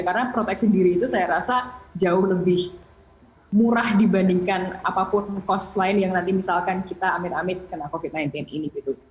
karena proteksi diri itu saya rasa jauh lebih murah dibandingkan apapun cost lain yang nanti misalkan kita amit amit kena covid sembilan belas ini gitu